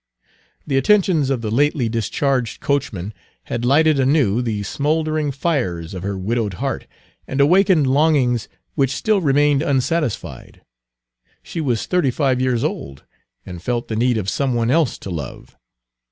The attentions of the lately discharged coachman had lighted anew the smouldering fires of her widowed heart, and awakened longings which still remained unsatisfied. She was thirty five years old, and felt the need of some one else to love.